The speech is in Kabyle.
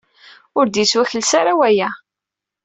Ur d-yettwakles ara waya.